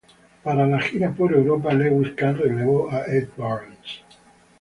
Para la gira por Europa, Lewis Kahn relevó a Ed Burns.